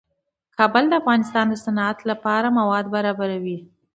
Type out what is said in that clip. کابل د افغانستان د صنعت لپاره مواد برابروي.